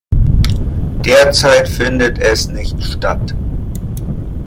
Derzeit findet es nicht statt.